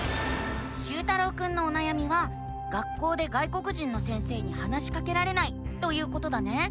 しゅうたろうくんのおなやみは「学校で外国人の先生に話しかけられない」ということだね。